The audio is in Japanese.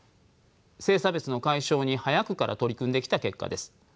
性差別の解消に早くから取り組んできた結果です。